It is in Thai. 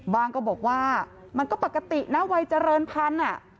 ก็บอกว่ามันก็ปกตินะวัยเจริญพันธุ์